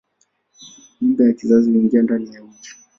Mimba ya kizazi huingia ndani ya uke.